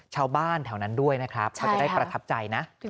ชาวบ้านแถวนั้นด้วยนะครับเขาจะได้ประทับใจนะ